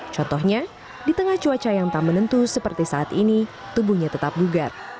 contohnya di tengah cuaca yang tak menentu seperti saat ini tubuhnya tetap bugar